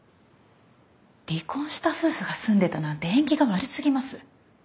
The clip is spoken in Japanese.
離婚した夫婦が住んでたなんて縁起が悪すぎます。